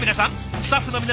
スタッフの皆さん